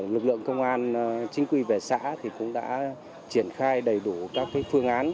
lực lượng công an chính quy về xã cũng đã triển khai đầy đủ các phương án